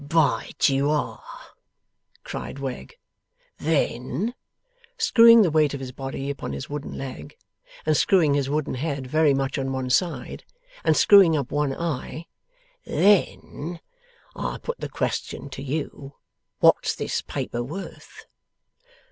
'Bight you are!' cried Wegg. 'Then,' screwing the weight of his body upon his wooden leg, and screwing his wooden head very much on one side, and screwing up one eye: 'then, I put the question to you, what's this paper worth?